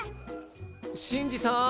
シンジさん！